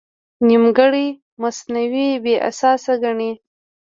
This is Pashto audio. نیمګړی مصنوعي بې اساسه ګڼي.